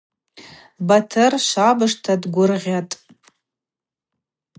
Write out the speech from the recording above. Батыр швабыжта дгвыргъьатӏ.